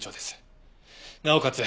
なおかつ